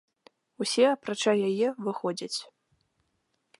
Усе, апрача яе, выходзяць.